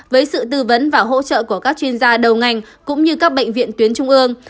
với sự tư vấn và hỗ trợ của các chuyên gia đầu ngành cũng như các bệnh viện tuyến trung ương